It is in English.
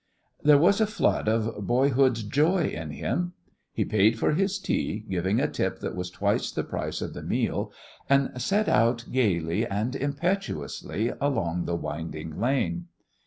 There was a flood of boyhood's joy in him. He paid for his tea, giving a tip that was twice the price of the meal, and set out gaily and impetuously along the winding lane.